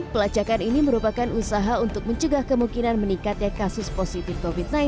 pelacakan ini merupakan usaha untuk mencegah kemungkinan meningkatnya kasus positif covid sembilan belas